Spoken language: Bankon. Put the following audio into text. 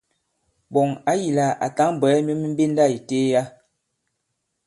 Ɓɔ̀ŋ ɔ̌ yī lā à tǎŋ bwɛ̀ɛ myu mi mbenda ì teliya.